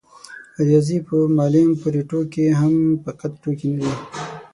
د رياضي په معلم پورې ټوکې هم فقط ټوکې نه دي.